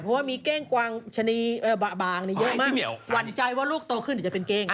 เพราะว่ามีเก้งกวางชะนีบางเยอะมากหวั่นใจว่าลูกโตขึ้นเดี๋ยวจะเป็นเก้ง